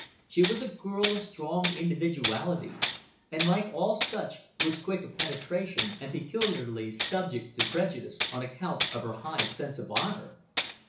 She was a girl of strong individuality, and like all such, was quick of penetration, and peculiarly subject to prejudice on account of her high sense of honour.